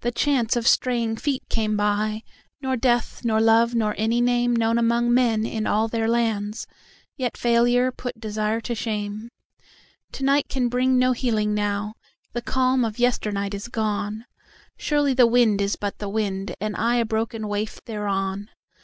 The chance of straying feet came by,—Nor death nor love nor any nameKnown among men in all their lands,—Yet failure put desire to shame. To night can bring no healing now, The calm of yesternight is gone; Surely the wind is but the wind, And I a broken waif thereon.